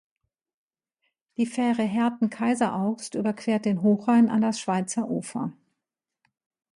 Die Fähre Herten–Kaiseraugst überquert den Hochrhein an das Schweizer Ufer.